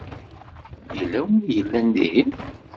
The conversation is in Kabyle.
Yella win i yellan dihin.